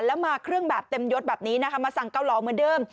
แล้วมาเครื่องแบบเต็มยดแบบนี้นะคะมาสั่งเกาเหลาเหมือนเดิม